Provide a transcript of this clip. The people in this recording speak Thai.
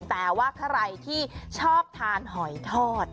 แต่ว่าใครที่ชอบทานหอยทอด